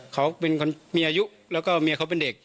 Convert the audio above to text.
เขาเป็นคนมีอายุแล้วก็เมียเขาเป็นเด็ก